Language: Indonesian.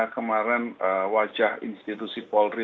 kemaren wajah institusi polri